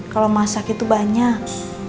kalau masak itu banyak